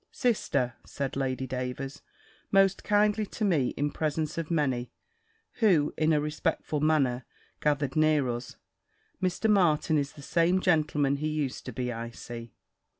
"Sister," said Lady Davers, most kindly to me, in presence of many, who (in a respectful manner) gathered near us, "Mr. Martin is the same gentleman he used to be, I see."